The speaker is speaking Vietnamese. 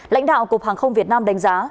lãnh đạo cục hàng không việt nam đánh giá